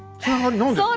何ですか？